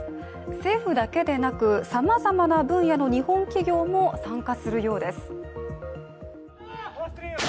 政府だけでなく、さまざまな分野の日本企業も参加するようです。